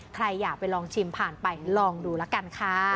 ใครอยากไปลองชิมผ่านไปลองดูละกันค่ะ